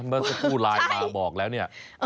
เมื่อสักครู่ไลน์มาบอกแล้วเนี่ย